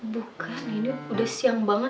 bukan ini udah siang banget